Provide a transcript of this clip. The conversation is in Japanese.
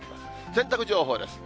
洗濯情報です。